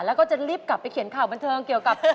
แล้วก็จะรีบกลับไปเขียนข่าวบันเทิงเกี่ยวกับ